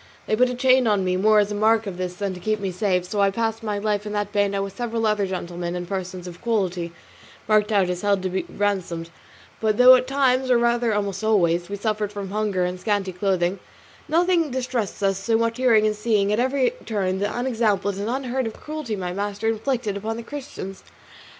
They put a chain on me, more as a mark of this than to keep me safe, and so I passed my life in that bano with several other gentlemen and persons of quality marked out as held to ransom; but though at times, or rather almost always, we suffered from hunger and scanty clothing, nothing distressed us so much as hearing and seeing at every turn the unexampled and unheard of cruelties my master inflicted upon the Christians.